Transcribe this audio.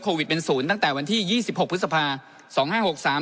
โควิดเป็นศูนย์ตั้งแต่วันที่ยี่สิบหกพฤษภาสองห้าหกสาม